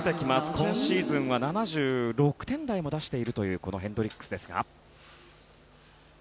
今シーズンは７６点台を出しているヘンドリックス。